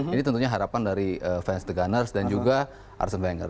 jadi tentunya harapan dari fans the gunners dan juga arsene wenger